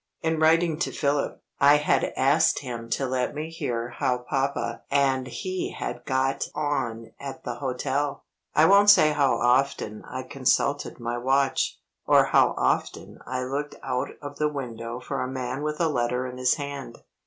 In writing to Philip, I had asked him to let me hear how papa and he had got on at the hotel. I won't say how often I consulted my watch, or how often I looked out of the window for a man with a letter in his hand.